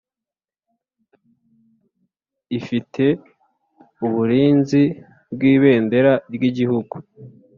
ifite uburinzi bw Ibendera ry Igihugu